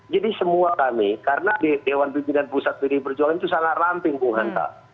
jadi semua kami karena dewan pimpinan pusat pilih perjualan itu sangat ramping bu hanta